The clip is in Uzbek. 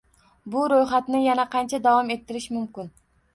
Bu ro‘yxatni yana qancha davom ettirish mumkin?